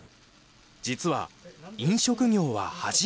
実は飲食業は初めて。